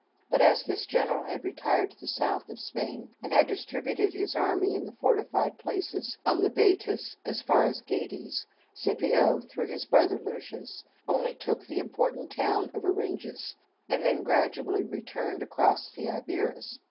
But as this general had retired to the south of Spain, and had distributed his army in the fortified places on the Bætis as far as Gades, Scipio (through his brother Lucius) only took the important town of Oringis, and then gradually returned across the Iberus.